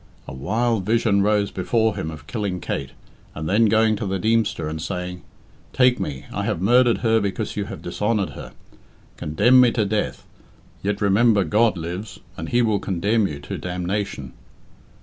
A wild vision rose before him of killing Kate, and then going to the Deemster and saying, "Take me; I have murdered her because you have dishonoured her. Condemn me to death; yet remember God lives, and He will condemn you to damnation."